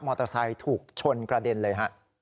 เตอร์ไซค์ถูกชนกระเด็นเลยฮะ